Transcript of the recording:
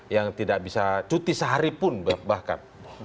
yang tidak bisa cuti sehari pun bahkan